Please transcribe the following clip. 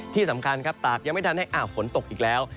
ที่สำคัญครับตากยังไม่ทันให้อ้าวฝนตกอีกแล้ว